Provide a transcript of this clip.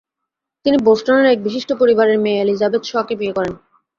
তিনি বোস্টনের এক বিশিষ্ট পরিবারের মেয়ে এলিজাবেথ শ-কে বিয়ে করেন।